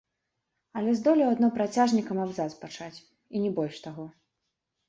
Але здолеў адно працяжнікам абзац пачаць, і не больш таго.